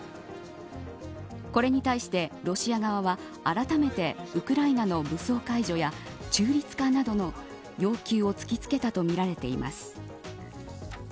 これに対してロシア側はあらためてウクライナの武装解除や中立化などの要求を突きつけたとみられています。